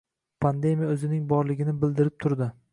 — Pandemiya oʻzining borligini bildirib turdi